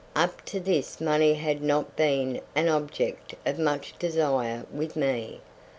Up to this money had not been an object of much desire with me.